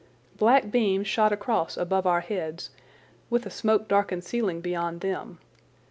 Black beams shot across above our heads, with a smoke darkened ceiling beyond them.